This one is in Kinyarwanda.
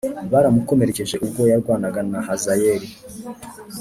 baramukomerekeje ubwo yarwanaga na Hazayeli